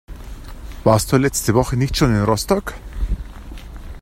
Warst du letzte Woche nicht schon in Rostock?